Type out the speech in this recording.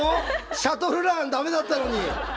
シャトルランダメだったのに。